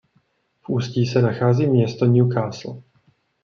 V ústí se nachází město Newcastle.